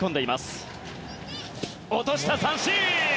落とした、三振！